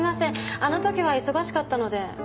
あの時は忙しかったので。